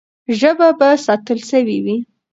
ژبه به ساتل سوې وي.